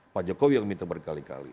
pak jokowi yang minta berkali kali